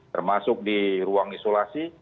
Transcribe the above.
termasuk di ruang isolasi